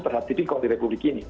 terhadap tipik konti republik ini